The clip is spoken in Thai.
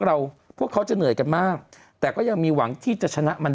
พวกเขาจะเหนื่อยกันมากแต่ก็ยังมีหวังที่จะชนะมัน